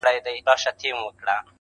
دا به ولاړ وي د زمان به توپانونه راځي؛